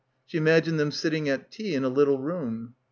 She imagined them sitting at tea in a little room.